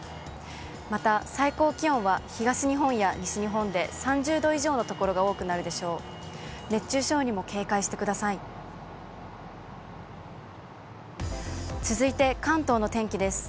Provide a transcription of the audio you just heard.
また最高気温は、東日本や西日本で３０度以上の所が多くなるでしょう。